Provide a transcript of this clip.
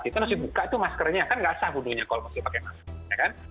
kita harus buka itu maskernya kan tidak sah wudhunya kalau masih pakai maskernya